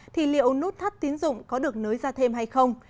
thì liệu nút thắt tiến dụng có được nới ra thêm hay không